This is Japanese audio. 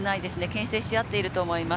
けん制し合っていると思います。